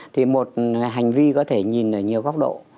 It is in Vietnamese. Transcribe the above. thì một hành vi có thể nhìn ở nhiều góc độ